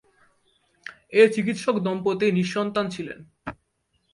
এ চিকিৎসক দম্পতি নিঃসন্তান ছিলেন।